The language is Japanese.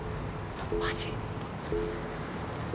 マジ？